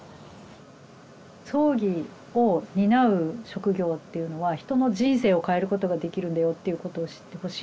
葬儀を担う職業っていうのは人の人生を変えることができるんだよっていうことを知ってほしい。